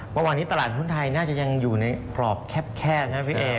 เมื่อวานนี้ตลาดหุ้นไทยน่าจะยังอยู่ในกรอบแคบนะพี่เอ